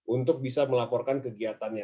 untuk bisa melaporkan kegiatannya